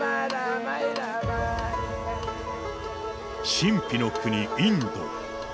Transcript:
神秘の国インド。